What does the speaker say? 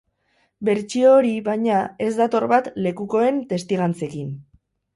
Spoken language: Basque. Bertsio hori, baina, ez dator bat lekukoen testigantzekin.